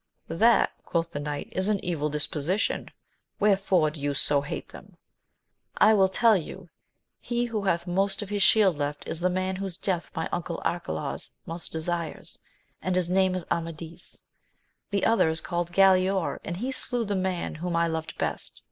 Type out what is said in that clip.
That, quoth the knight, is an evil disposition : wherefore do you so hate them 1 I will tell you : he who hath most of his shield left, is the man whose death my uncle Arcalaus most desires, and is named Amadis ; the other is called Galaor, and he slew the man whom I loved best.